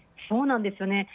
そうなんですよね。